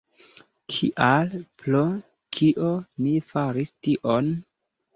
Kial, pro kio mi faris tion?